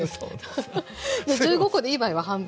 １５コでいい場合は半分で。